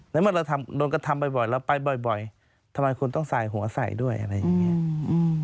แล้วเมื่อเราโดนกระทำบ่อยเราไปบ่อยทำไมคุณต้องใส่หัวใส่ด้วยอะไรอย่างนี้